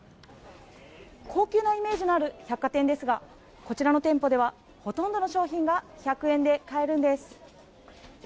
高級なイメージのある百貨店ですがこちらの店舗ではほとんどの商品が１００円で買えるんです。